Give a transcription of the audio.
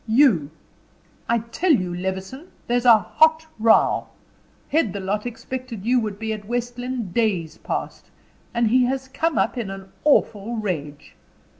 "You. I tell you, Levison, there's a hot row. Headthelot expected you would be at West Lynne days past, and he has come up in an awful rage.